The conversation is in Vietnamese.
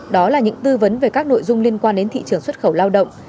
đó là những tư vấn về các nội dung liên quan đến thị trường xuất khẩu lao động